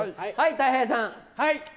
たい平さん。